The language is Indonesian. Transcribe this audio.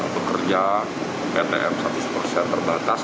pekerja ptm seratus persen terbatas